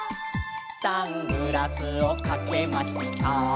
「サングラスをかけました」